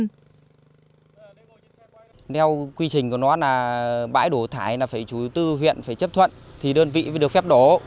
theo quy trình của nó là bãi đổ thải là phải chủ tư huyện phải chấp thuận thì đơn vị phải được phép đổ